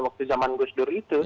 waktu zaman gus dur itu